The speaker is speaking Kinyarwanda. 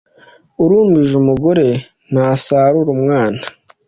Urumbije umugore ntasarura umwana.